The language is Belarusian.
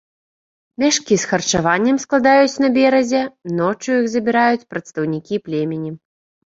Мяшкі з харчаваннем складаюць на беразе, ноччу іх забіраюць прадстаўнікі племені.